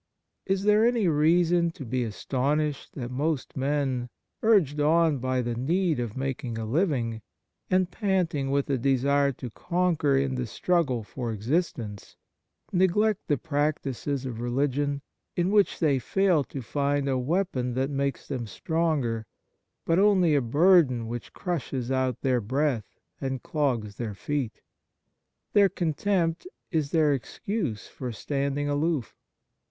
Is there any reason to be astonished that most men, urged on by the need of making a living, and panting with the desire to conquer in the struggle for existence, neglect the practices of religion, in which they fail to find a weapon that makes them stronger, but only a burden which crushes out 14 The Nature of Piety their breath and clogs their feet ? Their contempt is their excuse for standing aloof.